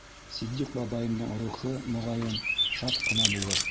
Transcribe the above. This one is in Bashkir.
Ситдиҡ бабайымдың рухы, моғайын, шат ҡына булыр.